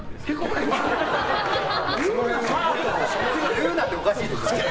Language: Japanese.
言うなってのもおかしいでしょ。